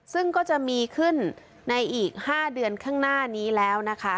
ซึ่งก็จะมีขึ้นในอีก๕เดือนข้างหน้านี้แล้วนะคะ